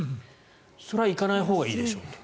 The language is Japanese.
それは行かないほうがいいでしょうと。